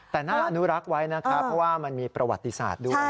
แต่น่าอนุรักษ์ไว้นะครับเพราะว่ามันมีประวัติศาสตร์ด้วย